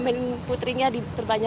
tetapi tidak dapat melakukannya